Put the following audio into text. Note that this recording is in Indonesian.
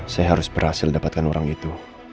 saya harus berhasil dapatkan orang itu